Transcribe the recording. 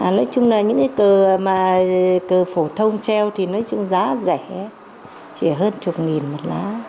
nói chung là những cái cờ mà cờ phổ thông treo thì nói chung giá rẻ chỉ hơn chục nghìn một lá